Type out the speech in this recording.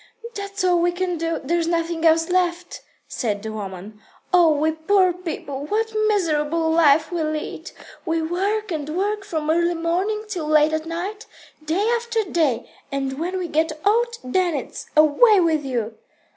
"That's all we can do. There's nothing else left," said the woman. "Oh, we poor people, what a miserable life we lead. We work and work from early morning till late at night, day after day, and when we get old, then it's, 'Away with you!'"